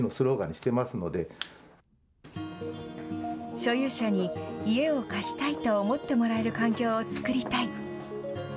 所有者に家を貸したいと思ってもらえる環境をつくりたい。